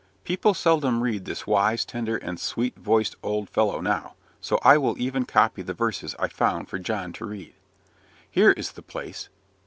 People seldom read this wise, tender, and sweet voiced old fellow now; so I will even copy the verses I found for John to read. "Here is the place.